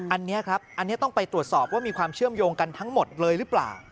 อันนี้ครับอันนี้ต้องไปตรวจสอบว่ามีความเชื่อมโยงกันทั้งหมดเลยหรือเปล่า